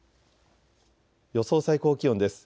予想最高気温です。